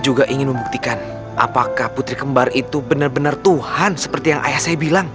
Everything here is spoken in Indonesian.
juga ingin membuktikan apakah putri kembar itu benar benar tuhan seperti yang ayah saya bilang